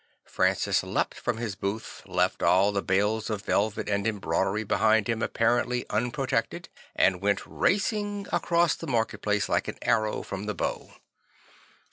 Francis leapt from his booth, left all the bales of velvet and embroidery behind him apparently unpro tected, and went racing across the market place like an arrow from the bow.